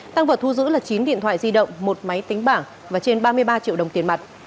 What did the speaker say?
tăng vật thu giữ là chín điện thoại di động một máy tính bảng và trên ba mươi ba triệu đồng tiền mặt